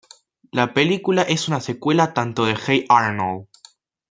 La película es una secuela tanto de Hey Arnold!